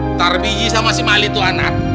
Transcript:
ntar biji sama si mali itu anak